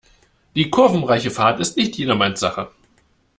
Die kurvenreiche Fahrt ist nicht jedermanns Sache.